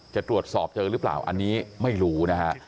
จะตรวจสอบเจอหรือเปล่าอันนี้ไม่รู้นะฮะ